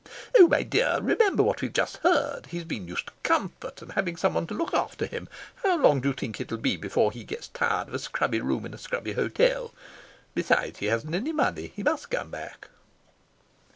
"Oh, my dear, remember what we've just heard. He's been used to comfort and to having someone to look after him. How long do you think it'll be before he gets tired of a scrubby room in a scrubby hotel? Besides, he hasn't any money. He must come back."